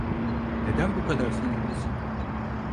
Neden bu kadar sinirlisin?